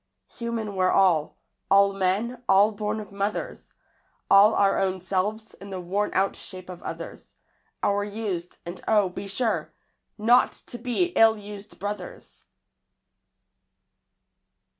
Human we're all all men, all born of mothers; All our own selves in the worn out shape of others; Our used, and oh, be sure, not to be ill used brothers!